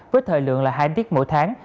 với thời lượng là hai tiết mỗi tháng